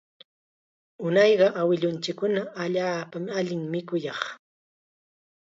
Unayqa awilunchikkuna allaapa allim mikuyaq